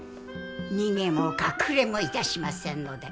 逃げも隠れもいたしませんので。